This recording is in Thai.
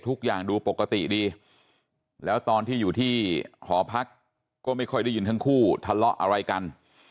ทุกอย่างดูปกติดีแล้วตอนที่อยู่ที่หอพักก็ไม่ค่อยได้ยินทั้งคู่ทะเลาะอะไรกัน